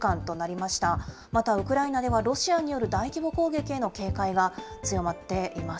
またウクライナではロシアによる大規模攻撃への警戒が強まっています。